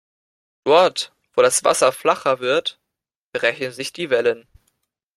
Dort, wo das Wasser flacher wird, brechen sich die Wellen.